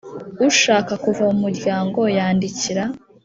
Ushaka kuva mu muryango yandikira